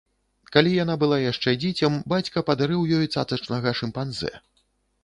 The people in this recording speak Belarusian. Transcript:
Калі яна была яшчэ дзіцем, бацька падарыў ёй цацачнага шымпанзэ.